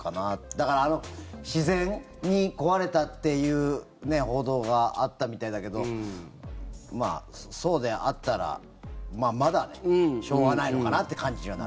だから、自然に壊れたっていう報道があったみたいだけどそうであったらまだしょうがないのかなって感じにはなる。